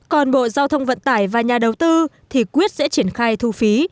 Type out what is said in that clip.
còn bộ giao thông vận tải và nhà đầu tư thì quyết sẽ triển khai thu phí